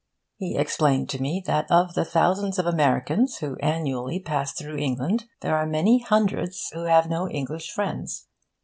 He explained to me that of the thousands of Americans who annually pass through England there are many hundreds who have no English friends.